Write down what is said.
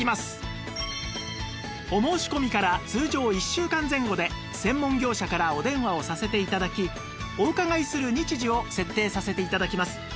お申し込みから通常１週間前後で専門業者からお電話をさせて頂きお伺いする日時を設定させて頂きます